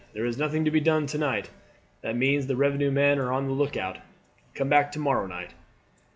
"There is nothing to be done to night. That means 'The revenue men are on the look out; come back to morrow night."'